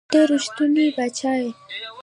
ته رښتونے باچا ئې